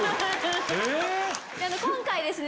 今回ですね。